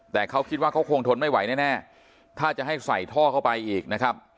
แต่เขาคิดว่าเขาคงทนไม่ไหวแน่ถ้าจะให้ใส่ท่อเข้าไปอีกนะครับ